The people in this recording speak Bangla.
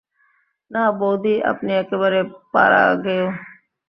নাঃ বৌদি, আপনি একেবারে পাড়াগোঁয়ে।